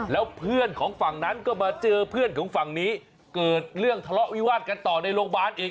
แล้วเพื่อนของฝั่งนั้นก็มาเจอเพื่อนของฝั่งนี้เกิดเรื่องทะเลาะวิวาดกันต่อในโรงพยาบาลอีก